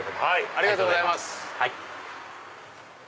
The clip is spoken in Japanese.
ありがとうございます。